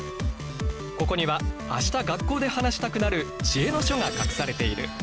ここには明日学校で話したくなる知恵の書が隠されている。